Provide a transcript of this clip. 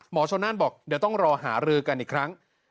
ชนนั่นบอกเดี๋ยวต้องรอหารือกันอีกครั้ง